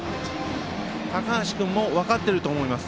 高橋君も分かっていると思います。